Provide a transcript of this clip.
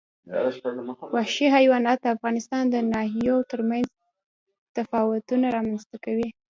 وحشي حیوانات د افغانستان د ناحیو ترمنځ تفاوتونه رامنځ ته کوي.